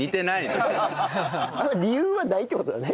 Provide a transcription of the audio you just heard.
理由はないって事だね。